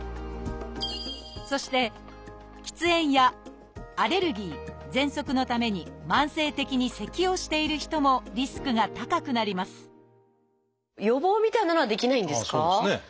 そして喫煙やアレルギーぜんそくのために慢性的にせきをしている人もリスクが高くなります予防みたいなのはできないんですか？